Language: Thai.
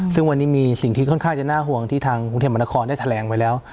ซึ่งวันนี้มีสิ่งที่ค่อนข้างจะน่าห่วงที่ทางกรุงเทพมหานครได้แถลงไว้แล้ว